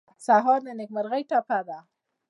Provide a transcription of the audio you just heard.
سهار د نیکمرغۍ ټپه ده.